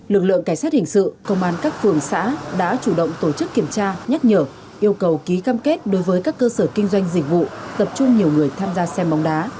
lực lượng cảnh sát hình sự công an các phường xã đã chủ động tổ chức kiểm tra nhắc nhở yêu cầu ký cam kết đối với các cơ sở kinh doanh dịch vụ tập trung nhiều người tham gia xem bóng đá